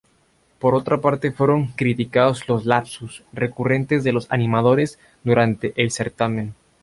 Por otra parte, fueron criticados los "lapsus" recurrentes de los animadores durante el certamen.